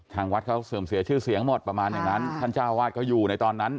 ทางวัดเขาเสื่อมเสียชื่อเสียงหมดประมาณอย่างนั้นท่านเจ้าวาดเขาอยู่ในตอนนั้น